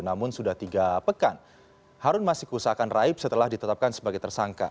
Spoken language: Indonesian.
namun sudah tiga pekan harun masiku seakan raib setelah ditetapkan sebagai tersangka